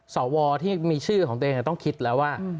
สวที่มีชื่อของตัวเองต้องคิดแล้วว่า